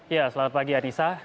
ya selamat pagi anissa